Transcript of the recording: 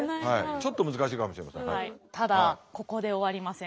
ちょっと難しいかもしれません。